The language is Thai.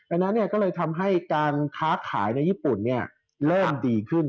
อันนั้นก็เลยทำให้การค้าขายในญี่ปุ่นเริ่มดีขึ้น